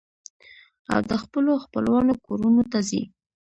او د خپلو خپلوانو کورنو ته ځي.